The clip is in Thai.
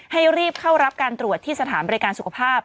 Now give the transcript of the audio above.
ให้รีบเข้ารับการตรวจที่สถานบริการสุขภาพ